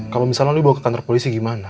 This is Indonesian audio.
kalau misalnya lo bawa ke kantor polisi gimana